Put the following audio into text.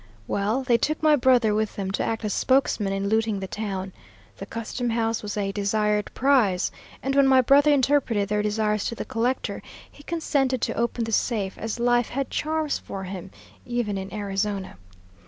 "Well, they took my brother with them to act as spokesman in looting the town. The custom house was a desired prize, and when my brother interpreted their desires to the collector, he consented to open the safe, as life had charms for him, even in Arizona.